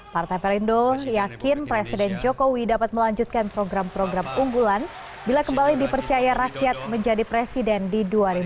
partai perindo yakin presiden jokowi dapat melanjutkan program program unggulan bila kembali dipercaya rakyat menjadi presiden di dua ribu dua puluh